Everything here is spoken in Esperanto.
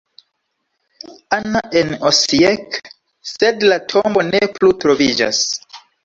Ana" en Osijek, sed la tombo ne plu troviĝas.